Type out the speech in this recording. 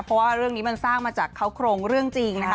เพราะว่าเรื่องนี้มันสร้างมาจากเขาโครงเรื่องจริงนะคะ